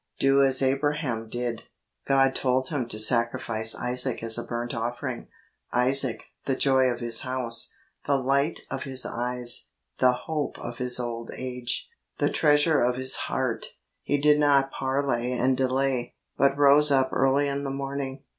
Do as Abraham did. God told him to sacrifice Isaac as a burnt offering — Isaac, the joy of his house, the light of his eyes, the hope of his old age, the treasure of his HOW TO KEEP HOLINESS 63 heart ! He did not parley and delay, but ' rose up early in the morning"